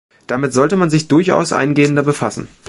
Damit sollte man sich durchaus eingehender befassen.